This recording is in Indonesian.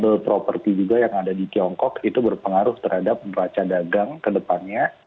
kondisi ekonomi indonesia dan kondisi ekonomi tiongkok itu berpengaruh terhadap raca dagang ke depannya